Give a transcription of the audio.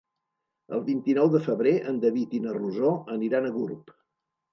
El vint-i-nou de febrer en David i na Rosó aniran a Gurb.